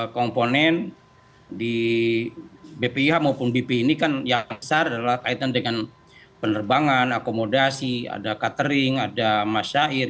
kondisi arab saudi memang ada sejumlah komponen di bpih maupun bp ini kan yang besar adalah kaitan dengan penerbangan akomodasi ada catering ada masyair